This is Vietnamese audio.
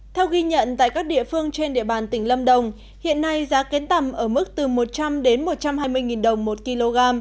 theo ghi nhận tại các địa phương trên địa bàn tỉnh lâm đồng hiện nay giá kén tằm ở mức từ một trăm linh đến một trăm hai mươi đồng một kg